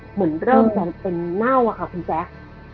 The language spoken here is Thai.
เหมือนเริ่มจะเป็นเน่าอะค่ะคุณแจ๊ค